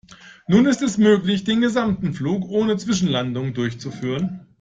Nun ist es möglich, den gesamten Flug ohne Zwischenlandungen durchzuführen.